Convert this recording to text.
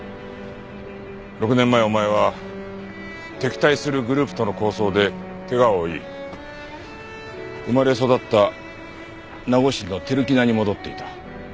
６年前お前は敵対するグループとの抗争で怪我を負い生まれ育った名護市の照喜名に戻っていた。